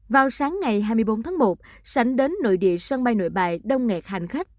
vào sáng ngày hai mươi bốn tháng một sảnh đến nội địa sân bay nội bài đông ngạt hành khách